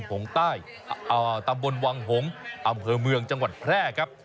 สีส้มสีขาสีชมพู